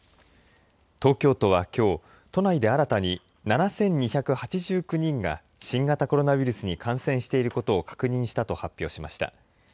東京都はきょう、都内で新たに７２８９人が新型コロナウイルスに感染していることを確認したと発表しました。